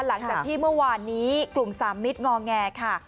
หลังจากที่เมื่อวานนี้กลุ่มสามมิตรงอแงค่ะ